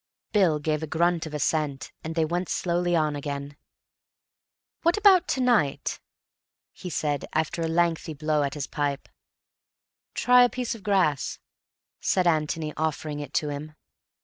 Bill gave a grunt of assent, and they went slowly on again. "What about to night?" he said, after a lengthy blow at his pipe. "Try a piece of grass," said Antony, offering it to him.